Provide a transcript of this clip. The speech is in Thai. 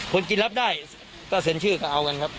คนกินรับได้ก็เซ็นชื่อก็เอากันครับ